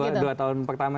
iya dua tahun pertama